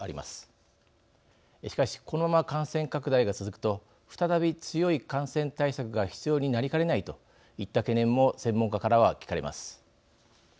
しかしこのまま感染拡大が続くと再び強い感染対策が必要になりかねないといった懸念も専門家からは聞かれます。